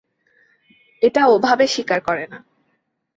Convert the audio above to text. এটা ওভাবে শিকার করে না।